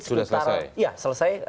sudah selesai ya selesai